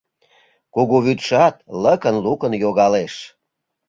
Кугу вӱдшат лыкын-лукын йогалеш.